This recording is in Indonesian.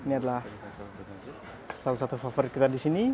ini adalah salah satu favorit kita di sini